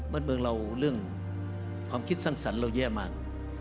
บ้านเมืองเราเรื่องความคิดสร้างสรรค์เราแย่มาก